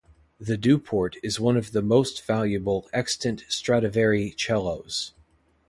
"The Duport" is one of the most valuable extant Stradivari cellos.